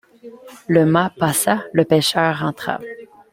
Le mât passa, le pêcheur rentra.